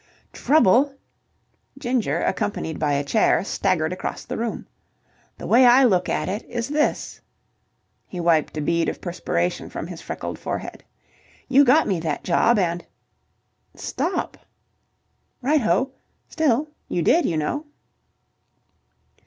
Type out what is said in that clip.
"Trouble!" Ginger, accompanied by a chair, staggered across the room. "The way I look at it is this." He wiped a bead of perspiration from his freckled forehead. "You got me that job, and..." "Stop!" "Right ho... Still, you did, you know."